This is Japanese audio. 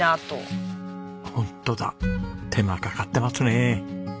本当だ手間かかってますねえ。